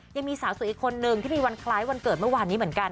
ยังมีสาวสวยอีกคนนึงที่มีวันคล้ายวันเกิดเมื่อวานนี้เหมือนกัน